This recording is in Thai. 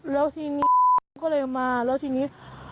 แล้วทีนี้ผมก็เลยมาแล้วทีนี้